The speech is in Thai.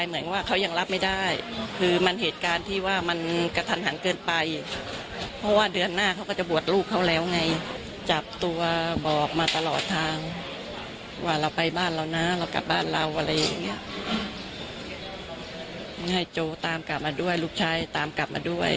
ลูกชายคนโตของครอบครัวนี้นะครับ